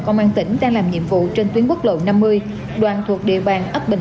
công an tỉnh đang làm nhiệm vụ trên tuyến quốc lộ năm mươi đoàn thuộc địa bàn